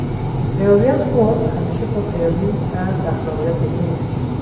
پیروی از عرف همیشه با پیروی از اخلاقیات یکی نیست.